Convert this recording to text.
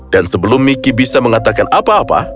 dan sebelum mickey bisa mengatakan apa apa